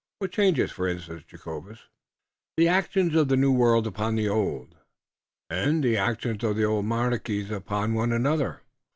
"What changes, for instance, Jacobus?" "The action of the New World upon the Old, und the action of the old monarchies upon one another.